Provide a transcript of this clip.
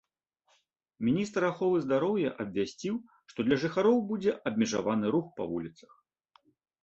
Міністр аховы здароўя абвясціў, што для жыхароў будзе абмежаваны рух па вуліцах.